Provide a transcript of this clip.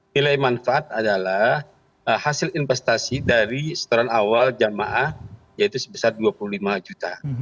nilai manfaat adalah hasil investasi dari setoran awal jamaah yaitu sebesar dua puluh lima juta